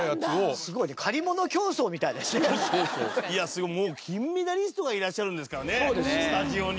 すごい金メダリストがいらっしゃるんですからねスタジオに。